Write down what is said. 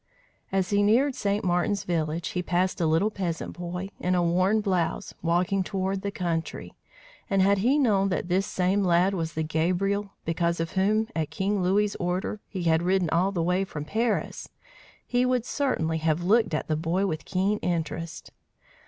As he neared St. Martin's village, he passed a little peasant boy, in a worn blouse, walking toward the country; and had he known that this same lad was the Gabriel because of whom, at King Louis's order, he had ridden all the way from Paris, he would certainly have looked at the boy with keen interest.